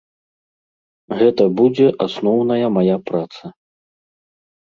Гэта будзе асноўная мая праца.